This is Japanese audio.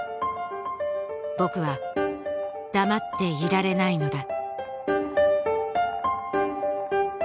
「ぼくは黙っていられないのだ」